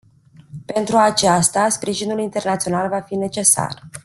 Pentru aceasta, sprijinul internațional va fi necesar.